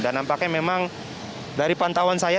dan nampaknya memang dari pantauan saya